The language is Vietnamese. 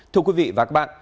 thưa quý vị và các bạn